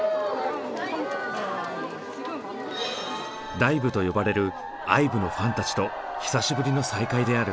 ＤＩＶＥと呼ばれるＩＶＥのファンたちと久しぶりの再会である。